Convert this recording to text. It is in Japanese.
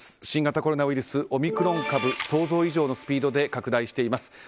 新型コロナウイルスオミクロン株、想像以上のスピードで拡大しています。